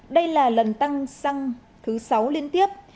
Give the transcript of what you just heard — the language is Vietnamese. đây là lần tăng xăng thứ sáu liên tiếp